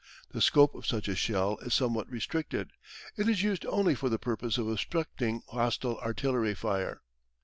The scope of such a shell is somewhat restricted, it is used only for the purpose of obstructing hostile artillery fire.